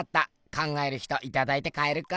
「考える人」いただいて帰るか。